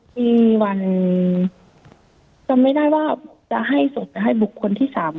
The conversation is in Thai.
ที่วันจำไม่ได้ว่าจะให้ส่งไปให้บุคคลที่๓